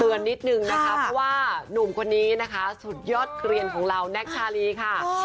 เตือนนิดนึงนะครับว่านุ่มคนนี้นะคะสุดยอดเครียญของเราแน็กชาลีค่ะ